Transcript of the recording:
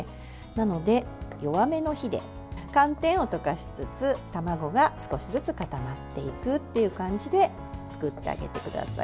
なので弱めの火で寒天を溶かしつつ卵が少しずつ固まっていくという感じで作ってあげてください。